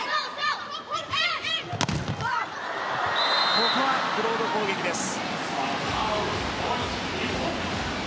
ここはブロード攻撃です。